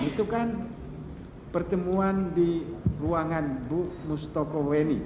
itu kan pertemuan di ruangan bu mustoko weni